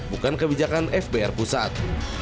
bukan kebijakan fbr pusat